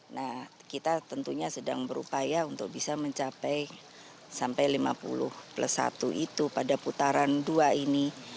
nah kita tentunya sedang berupaya untuk bisa mencapai sampai lima puluh plus satu itu pada putaran dua ini